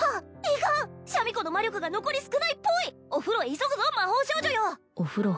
いかんシャミ子の魔力が残り少ないっぽいお風呂へ急ぐぞ魔法少女よお風呂